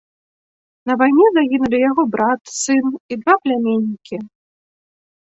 На вайне загінулі яго брат, сын і два пляменнікі.